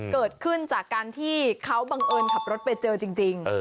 เกิดขึ้นจากการที่เขาบังเอิญขับรถไปเจอจริง